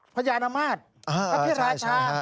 พระยายน้ำมารทพระเพศราชา